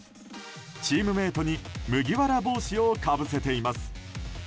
チームメートに麦わら帽子をかぶせています。